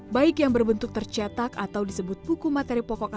baik yang berbentuk tercetak atau disebut buku materi pokok atau buku karya